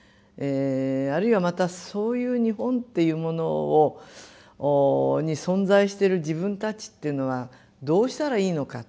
あるいはまたそういう日本っていうものに存在してる自分たちっていうのはどうしたらいいのか。